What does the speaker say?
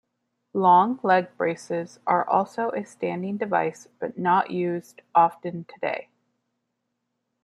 Long leg braces are also a standing device but not used often today.